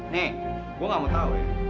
nih gue nggak mau tahu ya